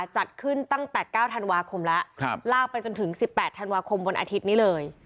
จัดขึ้นตั้งแต่๙ธันวาคมแล้วลากไปจนถึง๑๘ธันวาคมวันอาทิตย์นี้เลย